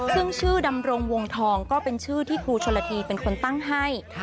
ซึ่งชื่อดำรงวงทองก็เป็นชื่อที่ครูชนละทีเป็นคนตั้งให้